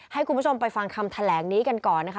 ให้คุณผู้ชมไปฟังคำแถลงนี้กันก่อนนะคะ